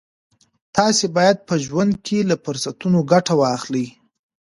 تاسي باید په ژوند کي له فرصتونو ګټه واخلئ.